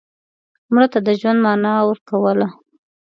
مړه ته د ژوند معنا ورکوله